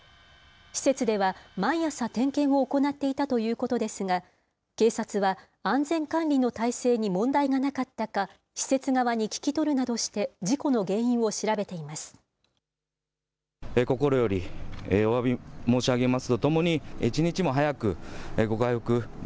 施設では、毎朝点検を行っていたということですが、警察は、安全管理の体制に問題がなかったか、施設側に聞き取るなどして、事故の原因を調べています。